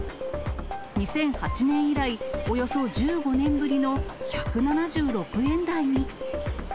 ２００８年以来、およそ１５年ぶりの１７６円台に。